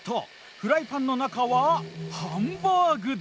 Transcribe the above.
フライパンの中はハンバーグだ！